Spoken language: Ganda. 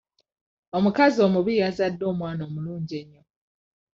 Omukazi omubi yazadde omwana omulungi ennyo.